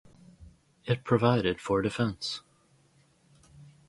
It provided for defense.